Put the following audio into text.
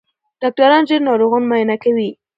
ډاکټران ژر ناروغان معاینه کوي.